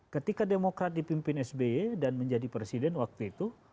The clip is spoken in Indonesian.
ketika demokrat dipimpin sby dan menjadi presiden waktu itu